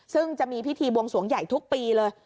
ซึ่งจะมีพิธีบวงสวงใหญ่ทุกปีเลย